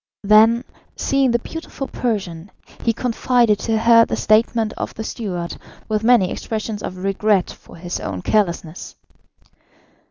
Then, seeing the beautiful Persian, he confided to her the statement of the steward, with many expressions of regret for his own carelessness.